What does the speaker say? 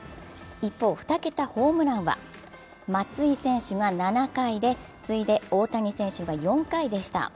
一方、２桁ホームランは松井選手が７回で次いで大谷選手が４回でした。